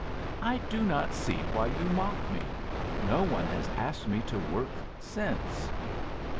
"I do not see why you mock me. No one has asked me to work since."